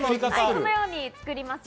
このように作ります。